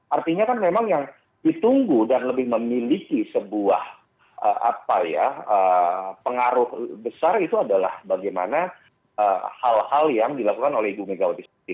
artinya kan memang yang ditunggu dan lebih memiliki sebuah pengaruh besar itu adalah bagaimana hal hal yang dilakukan oleh ibu megawati